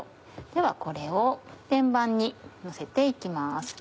ではこれを天板にのせて行きます。